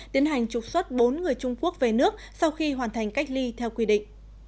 tiến hành trục xuất bốn người trung quốc về nước sau khi hoàn thành cách ly theo quy định